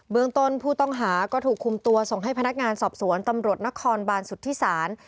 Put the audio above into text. เมืองต้นผู้ต้องหาก็ถูกคุมตัวส่งให้พนักงานสอบสวนตำรวจนครบานสุธิศาล